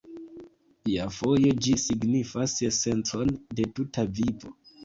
Iafoje ĝi signifas esencon de tuta vivo.